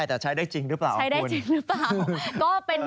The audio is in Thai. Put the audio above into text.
ทิชิ์ฐาน